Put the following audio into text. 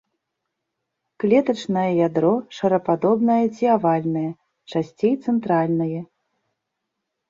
Клетачнае ядро шарападобнае ці авальнае, часцей цэнтральнае.